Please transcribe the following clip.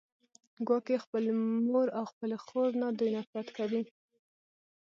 ګواکې خپلې مور او خپلې خور نه دوی نفرت کوي